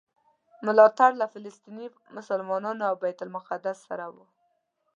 ملاتړ له فلسطیني مسلمانانو او بیت المقدس سره و.